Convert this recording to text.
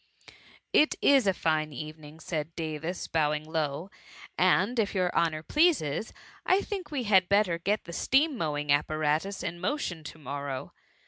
" It is a fine evening," said Davis, bowing low, *' and if your honour pleases, I think we hftd better get the steam ^mowing apparatus in QiQtion to^iQorrow.